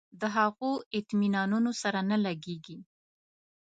د هغو اطمینانونو سره نه لګېږي.